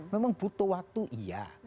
memang butuh waktu iya